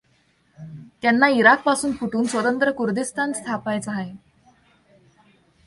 त्यांना इराकपासून फुटून स्वतंत्र कुर्दिस्तान स्थापायचा आहे.